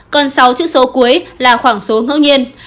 còn sáu chữ số cuối là khoảng số ngẫu nhiên